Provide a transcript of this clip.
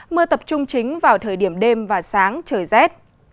mưa tập trung chính vào thời điểm đêm và sáng trời rét